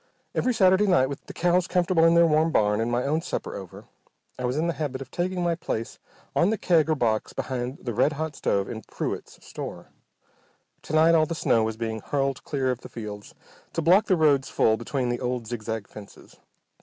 Every Saturday night, with the cows comfortable in their warm barn, and my own supper over, I was in the habit of taking my place on the keg or box behind the red hot stove in Pruett's store. To night all the snow was being hurled clear of the fields to block the roads full between the old, zigzag fences.